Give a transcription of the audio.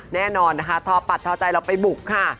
แน่นอนนะคะทอปัดทอใจเราไปบุกค่ะ